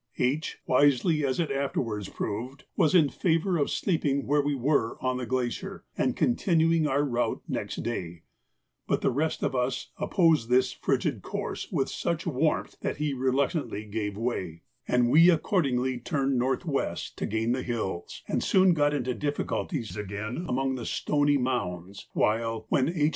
H., wisely as it afterwards proved, was in favour of sleeping where we were on the glacier, and continuing our route next day; but the rest of us opposed this frigid course with such warmth, that he reluctantly gave way, and we accordingly turned north west to gain the hills, and soon got into difficulties again among the stony mounds; while, when H.